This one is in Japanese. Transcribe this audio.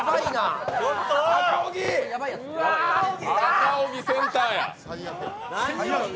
赤荻、センターや。